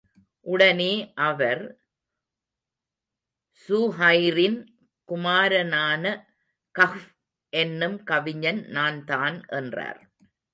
உடனே அவர், ஸுஹைரின் குமாரனான கஃப் என்னும் கவிஞன் நான்தான்! என்றார்.